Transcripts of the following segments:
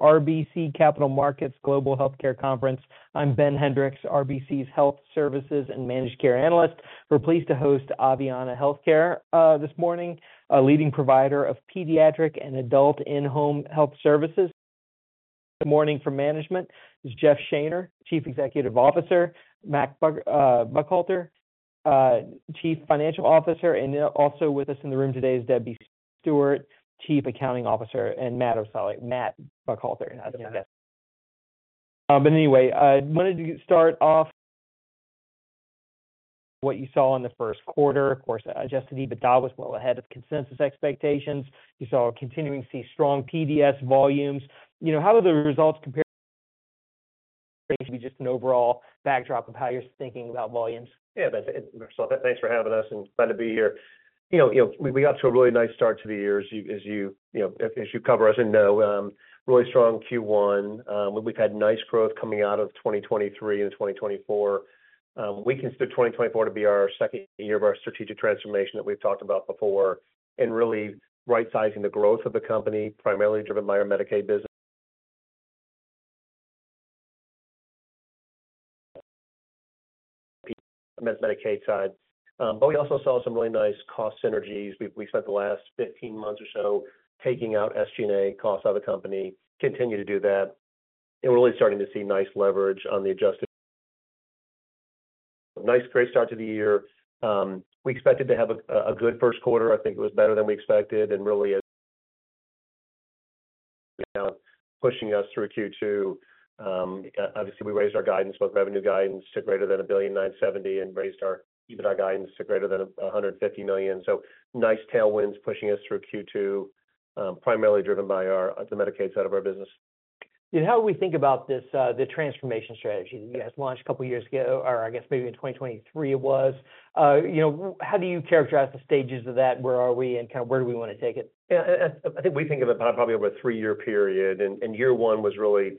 RBC Capital Markets Global Healthcare Conference. I'm Ben Hendricks, RBC's Health Services and Managed Care Analyst. We're pleased to host Aveanna Healthcare this morning, a leading provider of pediatric and adult in-home health services. Good morning from management. This is Jeff Shaner, Chief Executive Officer; Matt Buckhalter, Chief Financial Officer; and also with us in the room today is Debbie Stewart, Chief Accounting Officer; and Matt Buckhalter. But anyway, I wanted to start off what you saw in the first quarter. Of course, Adjusted EBITDA was well ahead of consensus expectations. You saw continuing to see strong PDS volumes. You know, how do the results compare to just an overall backdrop of how you're thinking about volumes? Yeah, thanks for having us. Glad to be here. You know, we got to a really nice start to the year as you cover us and know. Really strong Q1. We've had nice growth coming out of 2023 and 2024. We consider 2024 to be our second year of our strategic transformation that we've talked about before and really right-sizing the growth of the company, primarily driven by our Medicaid business, Medicaid side. But we also saw some really nice cost synergies. We've spent the last 15 months or so taking out SG&A costs out of the company, continuing to do that, and really starting to see nice leverage on the adjusted. Nice great start to the year. We expected to have a good first quarter. I think it was better than we expected and really pushing us through Q2. Obviously, we raised our guidance, both revenue guidance to greater than $1.970 billion, and raised our EBITDA guidance to greater than $150 million. So nice tailwinds pushing us through Q2, primarily driven by the Medicaid side of our business. How do we think about the transformation strategy that you guys launched a couple of years ago, or I guess maybe in 2023 it was? You know, how do you characterize the stages of that? Where are we and kind of where do we want to take it? Yeah, I think we think of it probably over a 3-year period. Year one was really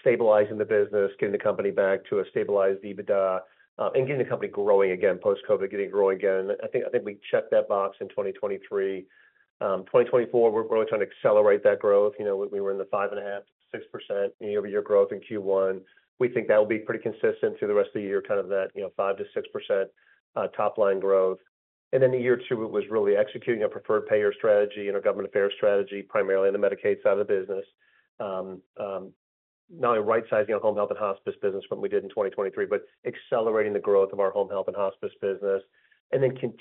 stabilizing the business, getting the company back to a stabilized EBITDA, and getting the company growing again post-COVID, getting growing again. I think we checked that box in 2023. 2024, we're really trying to accelerate that growth. You know, we were in the 5.5%-6% year-over-year growth in Q1. We think that will be pretty consistent through the rest of the year, kind of that 5%-6% top-line growth. Then in year two, it was really executing a preferred payer strategy, a government affairs strategy, primarily on the Medicaid side of the business. Not only right-sizing our home health and hospice business from what we did in 2023, but accelerating the growth of our home health and hospice business.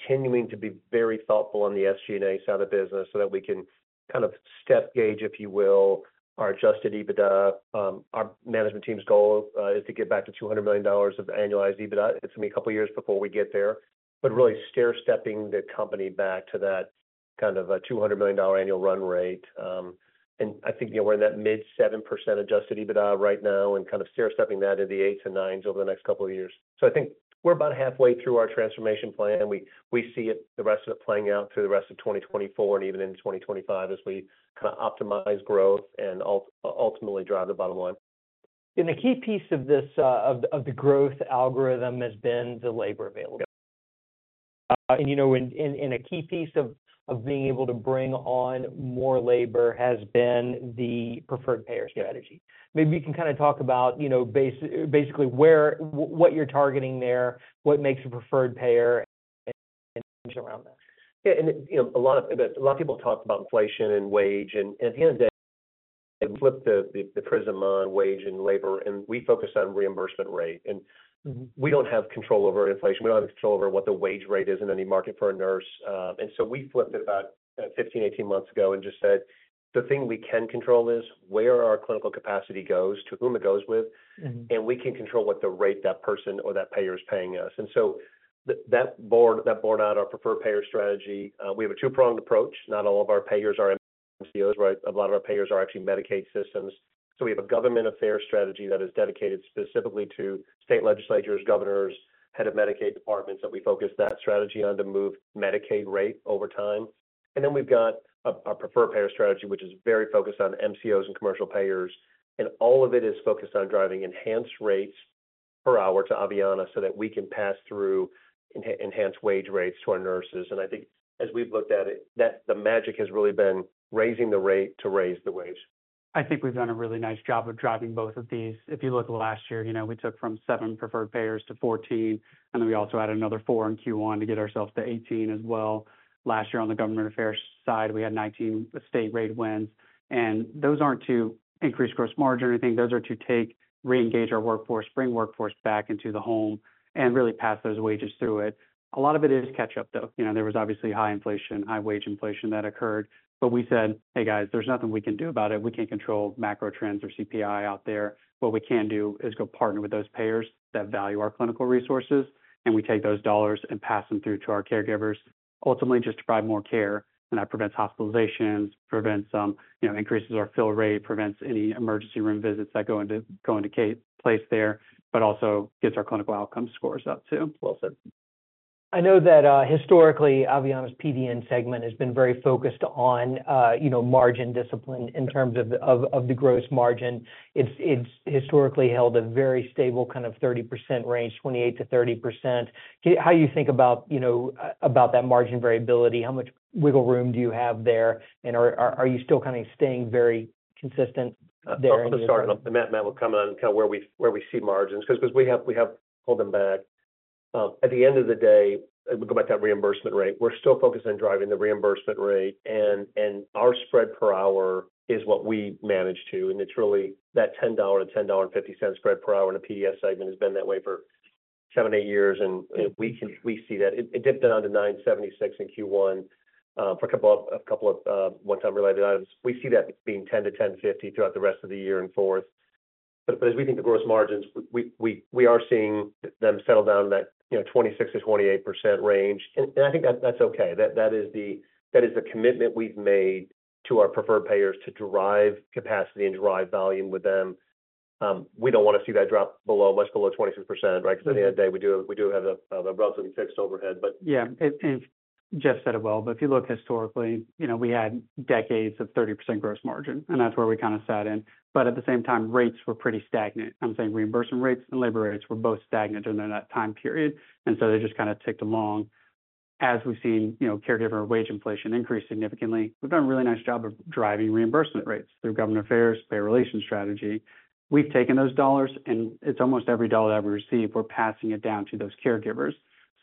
Continuing to be very thoughtful on the SG&A side of the business so that we can kind of stair-step gauge, if you will, our Adjusted EBITDA. Our management team's goal is to get back to $200 million of annualized EBITDA. It's going to be a couple of years before we get there, but really stair-stepping the company back to that kind of $200 million annual run rate. And I think, you know, we're in that mid-7% Adjusted EBITDA right now and kind of stair-stepping that into the eights and nines over the next couple of years. So I think we're about halfway through our transformation plan. We see the rest of it playing out through the rest of 2024 and even in 2025 as we kind of optimize growth and ultimately drive the bottom line. The key piece of the growth algorithm has been the labor availability. You know, a key piece of being able to bring on more labor has been the preferred payer strategy. Maybe you can kind of talk about, you know, basically what you're targeting there, what makes a preferred payer, and around that. Yeah, and a lot of people talk about inflation and wage. At the end of the day, we flipped the prism on wage and labor, and we focus on reimbursement rate. We don't have control over inflation. We don't have control over what the wage rate is in any market for a nurse. So we flipped it about 15-18 months ago and just said, the thing we can control is where our clinical capacity goes, to whom it goes with. We can control what the rate that person or that payer is paying us. So that bore out our preferred payer strategy. We have a two-pronged approach. Not all of our payers are MCOs, right? A lot of our payers are actually Medicaid systems. We have a government affairs strategy that is dedicated specifically to state legislatures, governors, head of Medicaid departments that we focus that strategy on to move Medicaid rate over time. Then we've got our preferred payer strategy, which is very focused on MCOs and commercial payers. All of it is focused on driving enhanced rates per hour to Aveanna so that we can pass through enhanced wage rates to our nurses. I think as we've looked at it, the magic has really been raising the rate to raise the wage. I think we've done a really nice job of driving both of these. If you look at last year, you know, we took from 7 preferred payers to 14. And then we also added another 4 in Q1 to get ourselves to 18 as well. Last year on the government affairs side, we had 19 state rate wins. And those aren't to increase gross margin or anything. Those are to take, re-engage our workforce, bring workforce back into the home, and really pass those wages through it. A lot of it is catch-up, though. You know, there was obviously high inflation, high wage inflation that occurred. But we said, hey, guys, there's nothing we can do about it. We can't control macro trends or CPI out there. What we can do is go partner with those payers that value our clinical resources. We take those dollars and pass them through to our caregivers, ultimately just to provide more care. That prevents hospitalizations, prevents some increases in our fill rate, prevents any emergency room visits that go into place there, but also gets our clinical outcome scores up too. Well said. I know that historically, Aveanna's PDN segment has been very focused on margin discipline in terms of the gross margin. It's historically held a very stable kind of 30% range, 28%-30%. How do you think about that margin variability? How much wiggle room do you have there? And are you still kind of staying very consistent there? I'll just start. Matt will come in on kind of where we see margins because we have pulled them back. At the end of the day, we'll go back to that reimbursement rate. We're still focused on driving the reimbursement rate. Our spread per hour is what we manage to. And it's really that $10-$10.50 spread per hour in the PDS segment has been that way for seven, eight years. And we see that. It dipped down to $9.76 in Q1 for a couple of one-time related items. We see that being $10-$10.50 throughout the rest of the year and forth. But as we think the gross margins, we are seeing them settle down in that 26%-28% range. And I think that's okay. That is the commitment we've made to our preferred payers to drive capacity and drive volume with them. We don't want to see that drop below, much below 26%, right? Because at the end of the day, we do have a relatively fixed overhead. Yeah. Jeff said it well. But if you look historically, you know, we had decades of 30% gross margin. And that's where we kind of sat in. But at the same time, rates were pretty stagnant. I'm saying reimbursement rates and labor rates were both stagnant during that time period. And so they just kind of ticked along. As we've seen caregiver wage inflation increase significantly, we've done a really nice job of driving reimbursement rates through government affairs, payer relations strategy. We've taken those dollars, and it's almost every dollar that we receive, we're passing it down to those caregivers.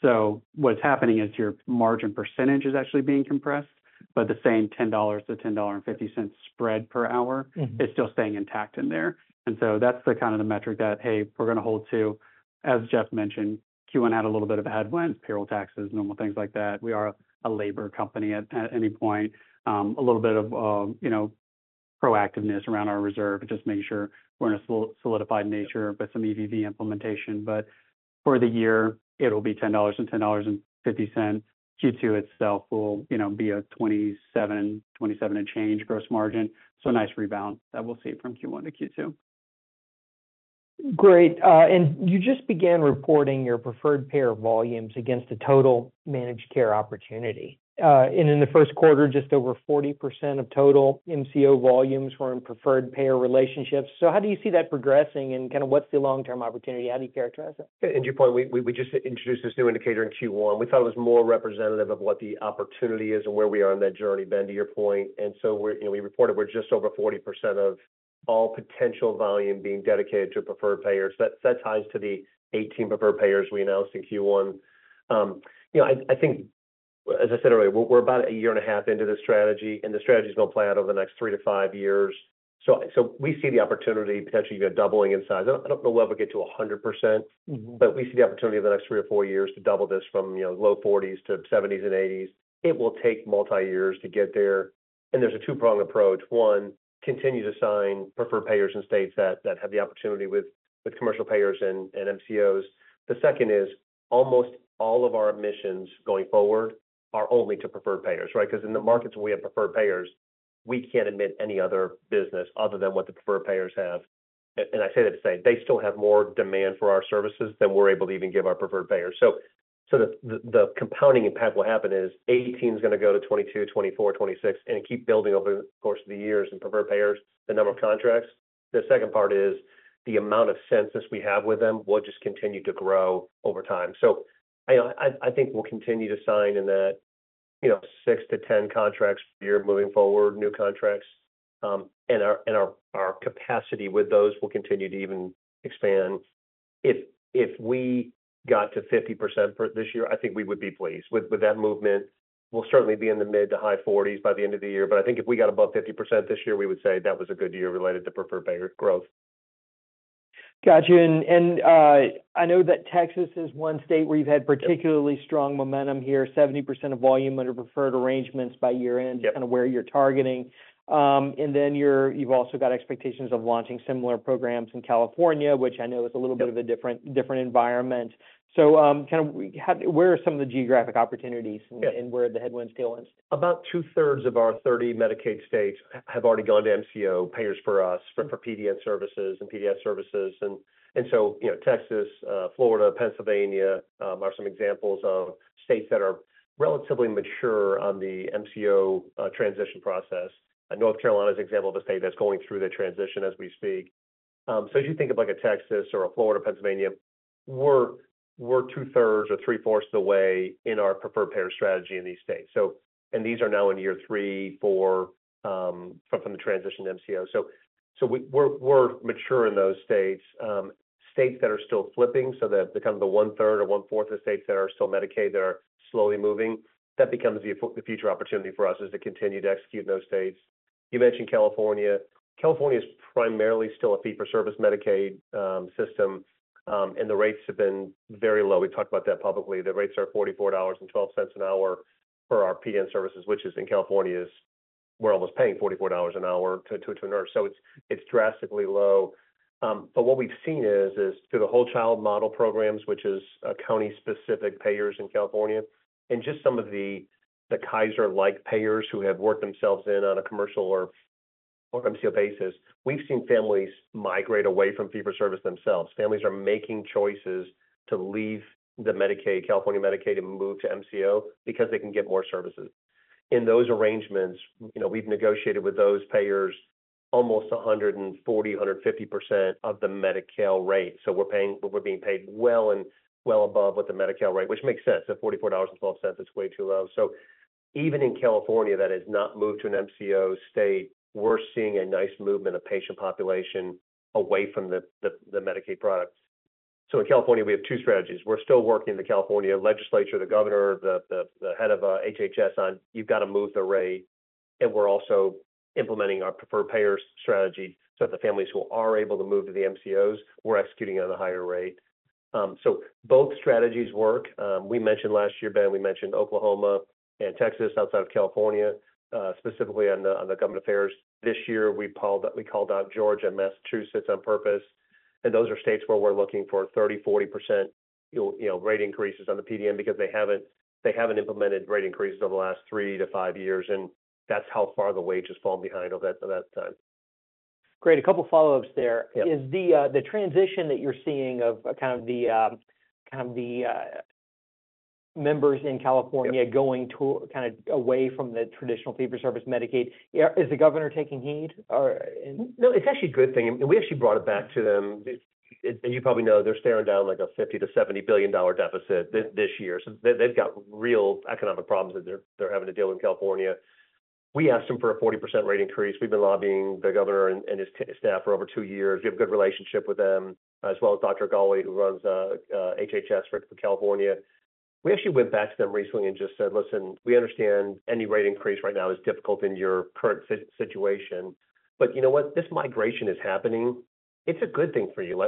So what's happening is your margin percentage is actually being compressed, but the same $10-$10.50 spread per hour is still staying intact in there. And so that's the kind the metric that, hey, we're going to hold to. As Jeff mentioned, Q1 had a little bit of a headwind, payroll taxes, normal things like that. We are a labor company at any point. A little bit of proactiveness around our reserve, just making sure we're in a solidified nature with some EVV implementation. But for the year, it'll be $10-$10.50. Q2 itself will be a 27 and change gross margin. So a nice rebound that we'll see from Q1 to Q2. Great. And you just began reporting your preferred payer volumes against a total managed care opportunity. And in the first quarter, just over 40% of total MCO volumes were in preferred payer relationships. So how do you see that progressing? And kind of what's the long-term opportunity? How do you characterize it? Yeah, and to your point, we just introduced this new indicator in Q1. We thought it was more representative of what the opportunity is and where we are on that journey, Ben, to your point. And so we reported we're just over 40% of all potential volume being dedicated to preferred payers. That ties to the 18 preferred payers we announced in Q1. You know, I think, as I said earlier, we're about a year and a half into this strategy, and the strategy is going to play out over the next three to five years. So we see the opportunity potentially even doubling in size. I don't know whether we'll get to 100%, but we see the opportunity over the next three or four years to double this from low 40s% to 70s% and 80s%. It will take multi-years to get there. And there's a two-pronged approach. One, continue to sign preferred payers in states that have the opportunity with commercial payers and MCOs. The second is almost all of our admissions going forward are only to preferred payers, right? Because in the markets where we have preferred payers, we can't admit any other business other than what the preferred payers have. And I say that to say they still have more demand for our services than we're able to even give our preferred payers. So the compounding impact will happen is 18 is going to go to 22, 24, 26, and keep building over the course of the years in preferred payers, the number of contracts. The second part is the amount of census we have with them will just continue to grow over time. So I think we'll continue to sign in that 6-10 contracts per year moving forward, new contracts. And our capacity with those will continue to even expand. If we got to 50% this year, I think we would be pleased with that movement. We'll certainly be in the mid- to high 40s by the end of the year. But I think if we got above 50% this year, we would say that was a good year related to preferred payer growth. Got you. I know that Texas is one state where you've had particularly strong momentum here, 70% of volume under preferred arrangements by year-end, kind of where you're targeting. Then you've also got expectations of launching similar programs in California, which I know is a little bit of a different environment. Kind of where are some of the geographic opportunities and where the headwinds tailwinds? About 2/3 of our 30 Medicaid states have already gone to MCO payers for us, for PDN services and PDS services. So Texas, Florida, Pennsylvania are some examples of states that are relatively mature on the MCO transition process. North Carolina is an example of a state that's going through the transition as we speak. So as you think of like a Texas or a Florida, Pennsylvania, we're 2/3 or three-fourths of the way in our preferred payer strategy in these states. And these are now in year 3, 4 from the transition to MCO. So we're mature in those states. States that are still flipping, so the kind of the 1/3 or 1/4 of the states that are still Medicaid that are slowly moving, that becomes the future opportunity for us is to continue to execute in those states. You mentioned California. California is primarily still a fee-for-service Medicaid system. The rates have been very low. We've talked about that publicly. The rates are $44.12 an hour for our PDN services, which in California is we're almost paying $44 an hour to a nurse. So it's drastically low. But what we've seen is through the Whole Child Model programs, which is county-specific payers in California, and just some of the Kaiser-like payers who have worked themselves in on a commercial or MCO basis, we've seen families migrate away from fee-for-service themselves. Families are making choices to leave the California Medicaid and move to MCO because they can get more services. In those arrangements, you know, we've negotiated with those payers almost 140%, 150% of the Medicare rate. So we're being paid well and well above what the Medicare rate, which makes sense. At $44.12, it's way too low. So even in California, that has not moved to an MCO state, we're seeing a nice movement of patient population away from the Medicaid product. So in California, we have two strategies. We're still working the California legislature, the governor, the head of HHS on, you've got to move the rate. And we're also implementing our preferred payers strategy. So the families who are able to move to the MCOs, we're executing at a higher rate. So both strategies work. We mentioned last year, Ben, we mentioned Oklahoma and Texas outside of California, specifically on the government affairs. This year, we called out Georgia and Massachusetts on purpose. And those are states where we're looking for 30%-40% rate increases on the PDN because they haven't implemented rate increases over the last 3-5 years. And that's how far the wage has fallen behind over that time. Great. A couple of follow-ups there. Is the transition that you're seeing of kind of the members in California going kind of away from the traditional fee-for-service Medicaid, is the governor taking heed? No, it's actually a good thing. And we actually brought it back to them. As you probably know, they're staring down like a $50 billion-$70 billion deficit this year. So they've got real economic problems that they're having to deal with in California. We asked them for a 40% rate increase. We've been lobbying the governor and his staff for over two years. We have a good relationship with them, as well as Dr. Ghaly, who runs HHS for California. We actually went back to them recently and just said, listen, we understand any rate increase right now is difficult in your current situation. But you know what? This migration is happening. It's a good thing for you.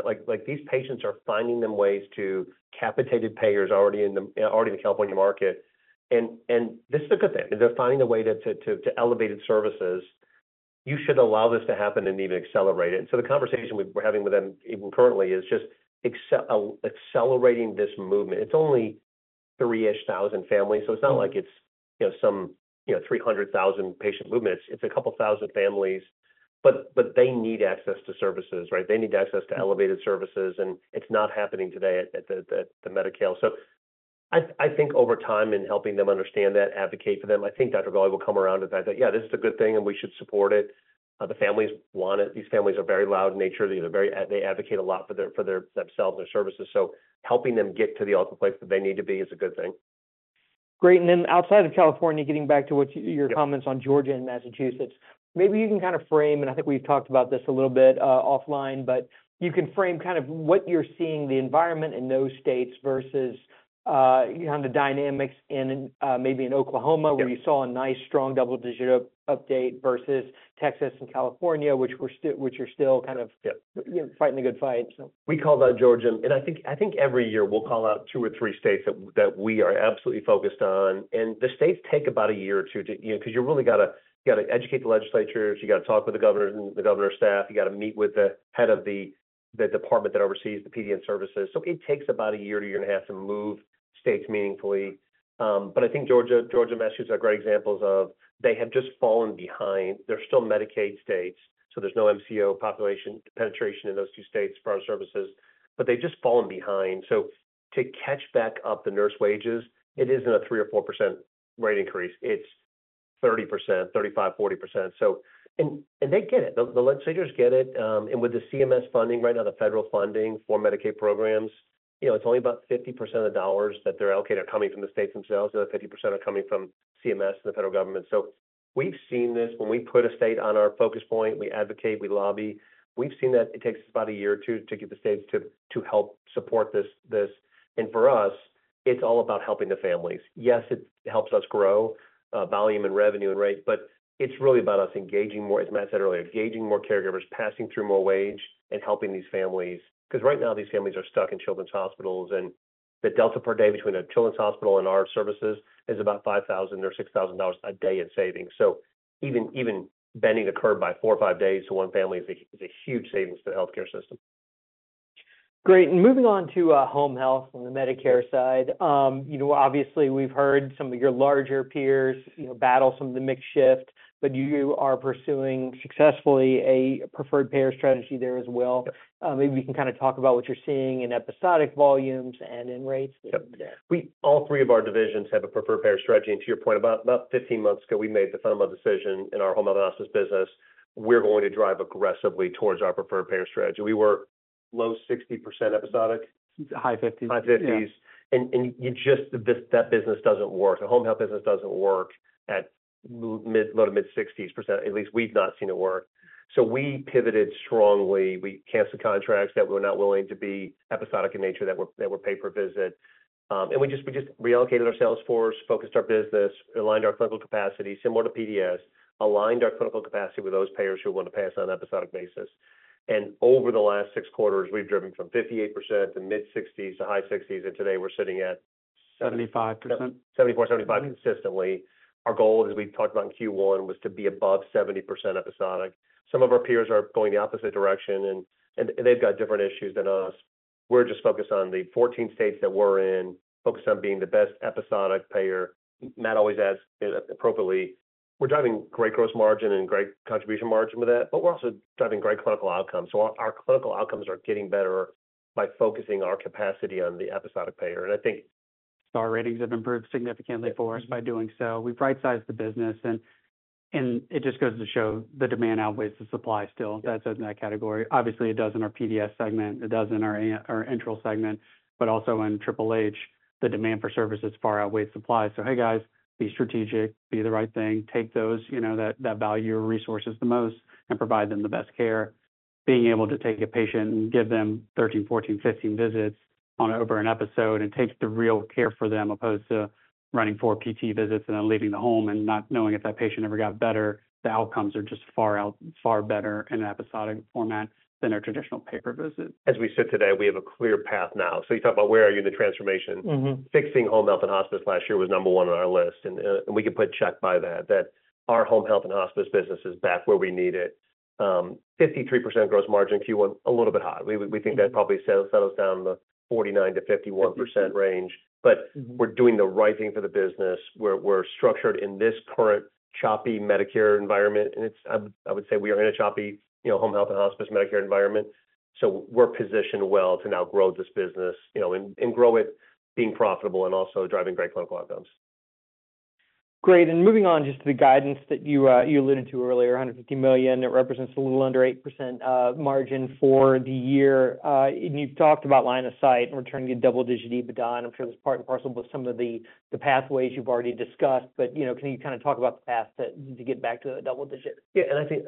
These patients are finding them ways to capitated payers already in the California market. And this is a good thing. They're finding a way to elevated services. You should allow this to happen and even accelerate it. And so the conversation we're having with them even currently is just accelerating this movement. It's only 3,000-ish families. So it's not like it's some 300,000 patient movement. It's a couple thousand families. But they need access to services, right? They need access to elevated services. And it's not happening today at the Medicare. So I think over time in helping them understand that, advocate for them, I think Dr. Ghaly will come around to that. Yeah, this is a good thing and we should support it. The families want it. These families are very loud in nature. They advocate a lot for themselves, their services. So helping them get to the ultimate place that they need to be is a good thing. Great. And then outside of California, getting back to your comments on Georgia and Massachusetts, maybe you can kind of frame, and I think we've talked about this a little bit offline, but you can frame kind of what you're seeing, the environment in those states versus kind of the dynamics in maybe in Oklahoma where you saw a nice strong double-digit update versus Texas and California, which are still kind of fighting the good fight. We call that Georgia. I think every year we'll call out 2 or 3 states that we are absolutely focused on. The states take about a year or 2 because you really got to educate the legislatures. You got to talk with the governors and the governor's staff. You got to meet with the head of the department that oversees the PDN services. So it takes about a year to year and a half to move states meaningfully. But I think Georgia and Massachusetts are great examples of they have just fallen behind. They're still Medicaid states. So there's no MCO population penetration in those two states for our services. But they've just fallen behind. So to catch back up the nurse wages, it isn't a 3% or 4% rate increase. It's 30%, 35%, 40%. And they get it. The legislators get it. With the CMS funding right now, the federal funding for Medicaid programs, you know it's only about 50% of the dollars that they're allocating are coming from the states themselves. The other 50% are coming from CMS and the federal government. So we've seen this when we put a state on our focus point, we advocate, we lobby. We've seen that it takes us about a year or two to get the states to help support this. And for us, it's all about helping the families. Yes, it helps us grow volume and revenue and rate, but it's really about us engaging more, as Matt said earlier, engaging more caregivers, passing through more wage, and helping these families. Because right now, these families are stuck in children's hospitals. And the delta per day between a children's hospital and our services is about $5,000, $6,000 a day in savings. Even bending the curve by 4 or 5 days to one family is a huge savings to the healthcare system. Great. Moving on to home health on the Medicare side, you know obviously we've heard some of your larger peers battle some of the mixed shift, but you are pursuing successfully a preferred payer strategy there as well. Maybe we can kind of talk about what you're seeing in episodic volumes and in rates. All three of our divisions have a preferred payer strategy. To your point, about 15 months ago, we made the fundamental decision in our home health and hospice business. We're going to drive aggressively towards our preferred payer strategy. We were low 60% episodic. High 50s. That business doesn't work. The home health business doesn't work at low-to-mid 60%. At least we've not seen it work. So we pivoted strongly. We canceled contracts that were not willing to be episodic in nature, that were pay-per-visit. We just reallocated our sales force, focused our business, aligned our clinical capacity, similar to PDS, aligned our clinical capacity with those payers who are willing to pass on an episodic basis. Over the last six quarters, we've driven from 58% to mid-60s-percent to high 60s-percent. Today we're sitting at. 75%. 74%-75% consistently. Our goal, as we talked about in Q1, was to be above 70% episodic. Some of our peers are going the opposite direction, and they've got different issues than us. We're just focused on the 14 states that we're in, focused on being the best episodic payer. Matt always adds appropriately, we're driving great gross margin and great contribution margin with that, but we're also driving great clinical outcomes. So our clinical outcomes are getting better by focusing our capacity on the episodic payer. And I think. Star ratings have improved significantly for us by doing so. We've right-sized the business. It just goes to show the demand outweighs the supply still. That's in that category. Obviously, it does in our PDS segment. It does in our enteral segment. Also in HHH, the demand for services far outweighs supply. Hey, guys, be strategic, be the right thing. Take those that value your resources the most and provide them the best care. Being able to take a patient and give them 13, 14, 15 visits over an episode and take the real care for them opposed to running 4 PT visits and then leaving the home and not knowing if that patient ever got better, the outcomes are just far better in an episodic format than our traditional pay-per-visit. As we sit today, we have a clear path now. So you talk about where are you in the transformation. Fixing home health and hospice last year was number one on our list. And we can put a check by that, that our home health and hospice business is back where we need it. 53% gross margin Q1, a little bit hot. We think that probably settles down in the 49%-51% range. But we're doing the right thing for the business. We're structured in this current choppy Medicare environment. And I would say we are in a choppy home health and hospice Medicare environment. So we're positioned well to now grow this business and grow it being profitable and also driving great clinical outcomes. Great. And moving on just to the guidance that you alluded to earlier, $150 million, that represents a little under 8% margin for the year. And you've talked about line of sight and returning to double-digit EBITDA. And I'm sure this is part and parcel with some of the pathways you've already discussed, but can you kind of talk about the path to get back to that double-digit? Yeah. I think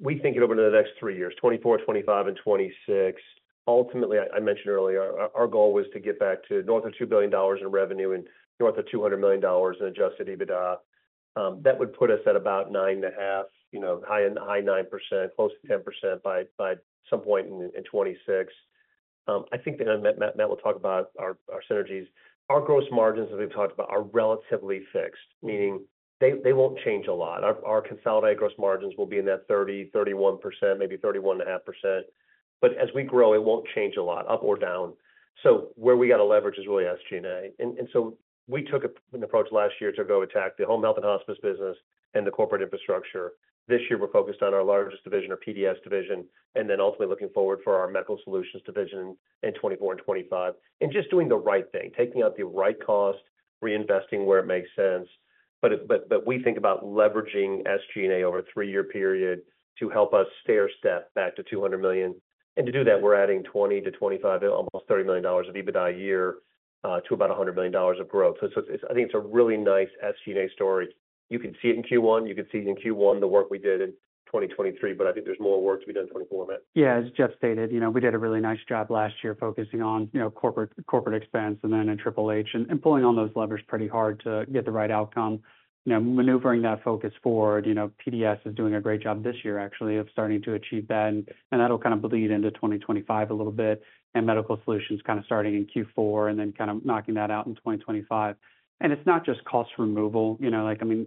we think it over the next three years, 2024, 2025, and 2026. Ultimately, I mentioned earlier, our goal was to get back to north of $2 billion in revenue and north of $200 million in Adjusted EBITDA. That would put us at about 9.5%, high 9%, close to 10% by some point in 2026. I think that Matt will talk about our synergies. Our gross margins that we've talked about are relatively fixed, meaning they won't change a lot. Our consolidated gross margins will be in that 30%-31%, maybe 31.5%. But as we grow, it won't change a lot, up or down. So where we got to leverage is really SG&A. We took an approach last year to go attack the home health and hospice business and the corporate infrastructure. This year, we're focused on our largest division, our PDS division, and then ultimately looking forward for our Medical Solutions division in 2024 and 2025. Just doing the right thing, taking out the right cost, reinvesting where it makes sense. But we think about leveraging SG&A over a three-year period to help us stair-step back to $200 million. And to do that, we're adding $20 million, $25 million, almost $30 million of EBITDA a year to about $100 million of growth. So I think it's a really nice SG&A story. You can see it in Q1. You can see it in Q1, the work we did in 2023, but I think there's more work to be done in 2024, Matt. Yeah, as Jeff stated, you know we did a really nice job last year focusing on corporate expense and then in HHH and pulling on those levers pretty hard to get the right outcome. Maneuvering that focus forward, PDS is doing a great job this year, actually, of starting to achieve that. And that'll kind of bleed into 2025 a little bit and Medical Solutions kind of starting in Q4 and then kind of knocking that out in 2025. And it's not just cost removal. You know, like, I mean,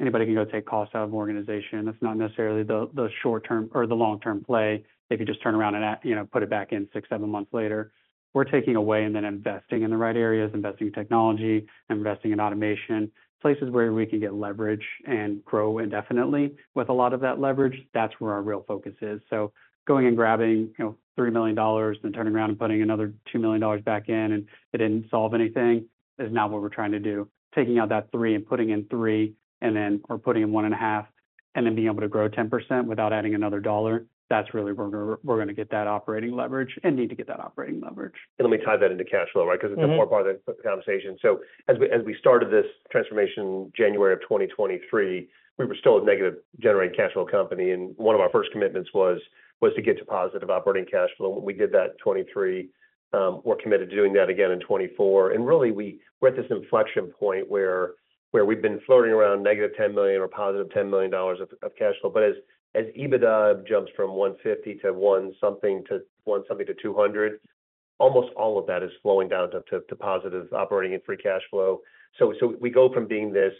anybody can go take costs out of an organization. That's not necessarily the short-term or the long-term play if you just turn around and put it back in 6, 7 months later. We're taking away and then investing in the right areas, investing in technology, investing in automation, places where we can get leverage and grow indefinitely with a lot of that leverage. That's where our real focus is. So going and grabbing $3 million and turning around and putting another $2 million back in and it didn't solve anything is now what we're trying to do. Taking out that $3 million and putting in $3 million and then or putting in $1.5 million and then being able to grow 10% without adding another dollar, that's really where we're going to get that operating leverage and need to get that operating leverage. And let me tie that into cash flow, right? Because it's a core part of the conversation. So as we started this transformation in January of 2023, we were still a negative-generating cash flow company. And one of our first commitments was to get to positive operating cash flow. When we did that 2023, we're committed to doing that again in 2024. And really, we're at this inflection point where we've been floating around negative $10 million or positive $10 million of cash flow. But as EBITDA jumps from $150 million to one-something to $200 million, almost all of that is flowing down to positive operating and free cash flow. So we go from being this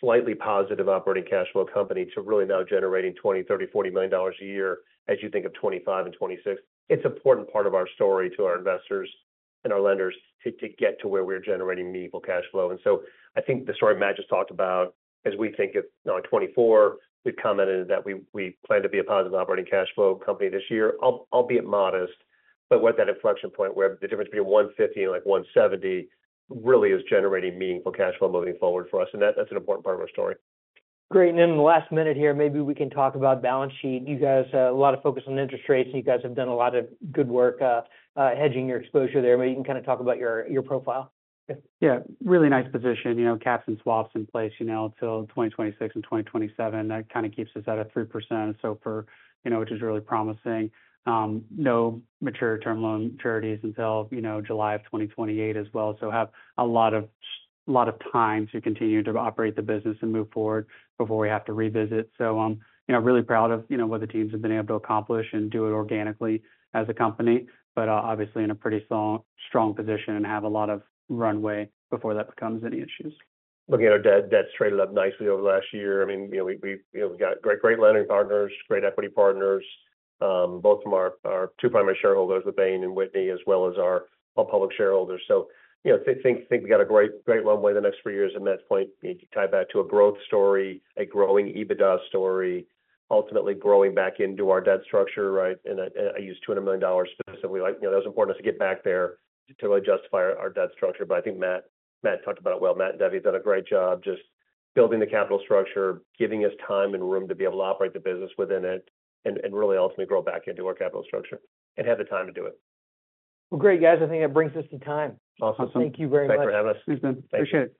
slightly positive operating cash flow company to really now generating $20 million, $30 million, $40 million a year as you think of 2025 and 2026. It's an important part of our story to our investors and our lenders to get to where we're generating meaningful cash flow. So I think the story Matt just talked about, as we think of 2024, we've commented that we plan to be a positive operating cash flow company this year. I'll be modest. But we're at that inflection point where the difference between $150 and like $170 really is generating meaningful cash flow moving forward for us. That's an important part of our story. Great. Then in the last minute here, maybe we can talk about balance sheet. You guys have a lot of focus on interest rates. You guys have done a lot of good work hedging your exposure there. Maybe you can kind of talk about your profile. Yeah, really nice position. You know, caps and swaps in place, you know, until 2026 and 2027. That kind of keeps us at a 3%, which is really promising. No mature term loan maturities until July of 2028 as well. So have a lot of time to continue to operate the business and move forward before we have to revisit. So I'm really proud of what the teams have been able to accomplish and do it organically as a company, but obviously in a pretty strong position and have a lot of runway before that becomes any issues. Looking at our debt straight up nicely over the last year. I mean, we've got great lending partners, great equity partners, both from our two primary shareholders, the Bain and Whitney, as well as our public shareholders. So I think we got a great runway the next few years. And Matt's point, you tie back to a growth story, a growing EBITDA story, ultimately growing back into our debt structure, right? And I used $200 million specifically. That was important us to get back there to really justify our debt structure. But I think Matt talked about it well. Matt and Debbie have done a great job just building the capital structure, giving us time and room to be able to operate the business within it and really ultimately grow back into our capital structure and have the time to do it. Well, great, guys. I think that brings us to time. Awesome. Thank you very much. Thanks for having us. Appreciate it.